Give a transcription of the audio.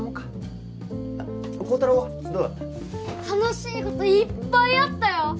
楽しい事いっぱいあったよ！